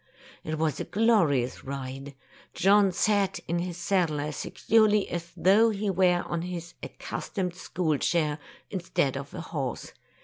It was a glorious ride. John sat in his saddle as securely as though he were on his accustomed school chair, instead of a horse.